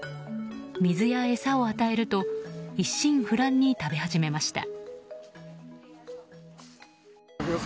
水や餌を与えると一心不乱に食べ始めました。